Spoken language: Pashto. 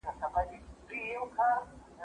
زه اوس د سبا لپاره د هنرونو تمرين کوم!